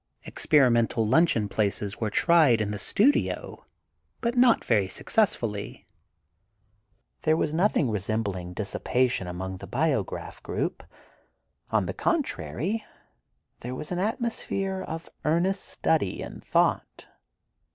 Experimental luncheon places were tried in the studio, but not very successfully. There was nothing resembling dissipation among the Biograph group. On the contrary, there was an atmosphere of earnest study and thought.